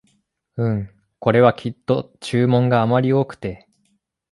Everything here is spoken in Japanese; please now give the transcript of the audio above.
うん、これはきっと注文があまり多くて